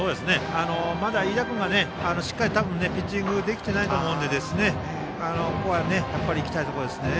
まだ飯田君がしっかりピッチングできてないと思うのでここはいきたいところですね。